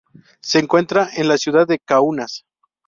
Se encuentra en la ciudad de Kaunas.